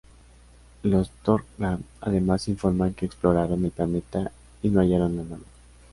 Los Tok'ra además informan que exploraron el planeta y no hallaron a nadie.